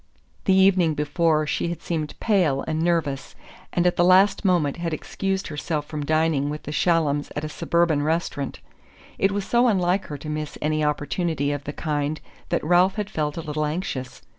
The evening before she had seemed pale and nervous, and at the last moment had excused herself from dining with the Shallums at a suburban restaurant. It was so unlike her to miss any opportunity of the kind that Ralph had felt a little anxious.